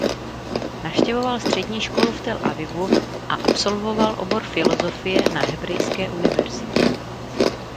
Navštěvoval střední školu v Tel Avivu a absolvoval obor filozofie na Hebrejské univerzitě.